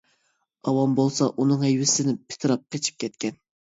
ئاۋام بولسا ئۇنىڭ ھەيۋىسىدىن پىتىراپ قېچىپ كەتكەن.